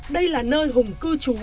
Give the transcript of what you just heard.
đây là nơi hùng cư trú